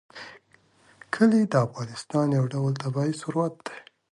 کلي د افغانستان یو ډول طبعي ثروت دی.